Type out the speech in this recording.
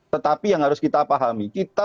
tetapi yang harus kita pahami